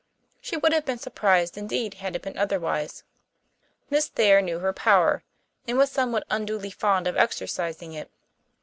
She would have been surprised indeed had it been otherwise. Miss Thayer knew her power, and was somewhat unduly fond of exercising it.